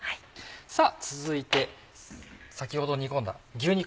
さぁ続いて先ほど煮込んだ牛肉